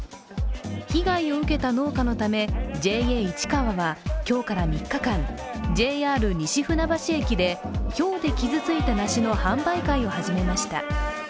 被害を受けた農家のため、ＪＡいちかわは今日から３日間、ＪＲ西船橋駅でひょうで傷ついた梨の販売会を始めました。